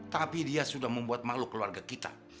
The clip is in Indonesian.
tapi dia sudah membuat makhluk keluarga kita